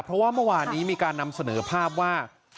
เพราะว่าเมื่อวานนี้มีการนำเสนอภาพว่า